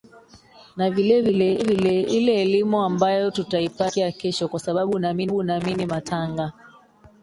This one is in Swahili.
na vile vile ile elimu ambayo tutaipata kufikia kesho kwa sababu naamini matanga